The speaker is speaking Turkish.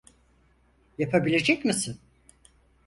Yapabilecek misin?